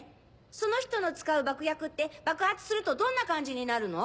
その人の使う爆薬って爆発するとどんな感じになるの？